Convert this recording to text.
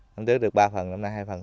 năm trước được ba phần năm nay hai phần